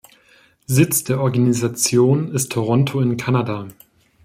Sitz der Organisation ist Toronto in Kanada.